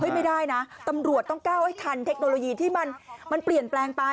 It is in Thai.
ไม่ได้นะตำรวจต้องก้าวให้ทันเทคโนโลยีที่มันเปลี่ยนแปลงไป